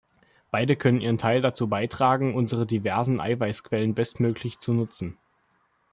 Beide können ihren Teil dazu beitragen, unsere diversen Eiweißquellen bestmöglich zu nutzen.